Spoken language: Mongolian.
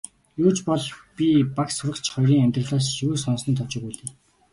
Юу ч бол би багш сурагч хоёрын амьдралаас юу сонссоноо товч өгүүлье.